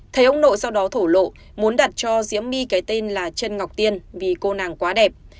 thấy ông nội sau đó thổ lộ muốn đặt cho diễm my cái tên là trần ngọc tiên vì cô nàng quá đẹp